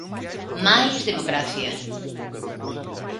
Máis democracia!